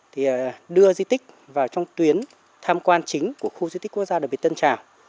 thì đưa di tích vào trong tuyến tham quan chính của khu di tích quốc gia đặc biệt tân trào